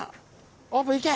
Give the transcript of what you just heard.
オープンいけ。